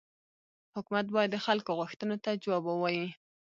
حکومت باید د خلکو غوښتنو ته جواب ووايي.